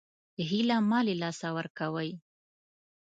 هیله مه له لاسه ورکوئ